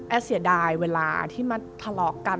เสียดายเวลาที่มาทะเลาะกัน